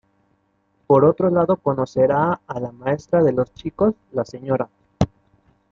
Por otro lado conocerá a la maestra de los chicos, la Sra.